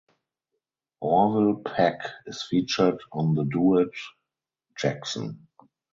Orville Peck is featured on the duet "Jackson".